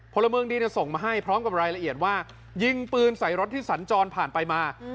พลเมืองดีส่งมาให้พร้อมกับรายละเอียดว่ายิงปืนใส่รถที่สัญจรผ่านไปมา